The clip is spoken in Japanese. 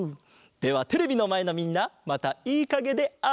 ではテレビのまえのみんなまたいいかげであおう！